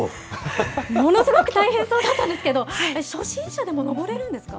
ものすごく大変そうだったんですけれども、あれ、初心者でも登れるんですか？